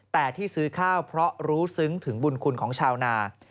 แต่ที่ซื้อข้าวเพราะรู้ซึ้งถึงบุญคุณของชาวนา